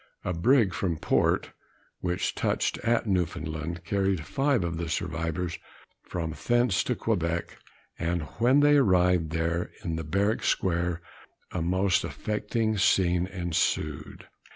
A brig from Port, which touched at Newfoundland, carried five of the survivors from thence to Quebec; and when they arrived there in the barrack square, a most affecting scene ensued.